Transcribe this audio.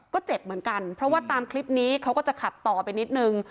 ก็เจ็บเหมือนกันเพราะว่าตามคลิปนี้เขาก็จะขับต่อไปนิดนึง